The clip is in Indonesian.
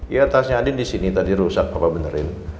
iya tasnya andien disini tadi rusak papa benerin